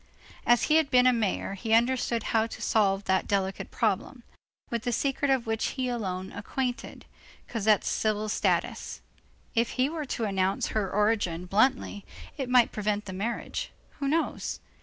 As he had been a mayor, he understood how to solve that delicate problem, with the secret of which he alone was acquainted, Cosette's civil status. If he were to announce her origin bluntly, it might prevent the marriage, who knows?